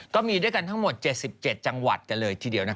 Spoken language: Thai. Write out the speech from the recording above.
ก็มีด้วยกันทั้งหมด๗๗จังหวัดกันเลยทีเดียว